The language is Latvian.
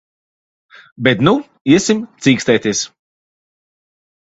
Bet nu iesim cīkstēties.